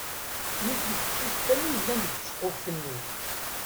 Yiwet n teqcict kan i yellan deg tceqquft-nni.